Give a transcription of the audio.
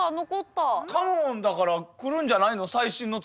カモンだから来るんじゃないの？